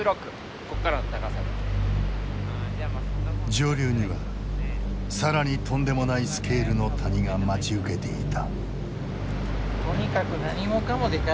上流には更にとんでもないスケールの谷が待ち受けていた。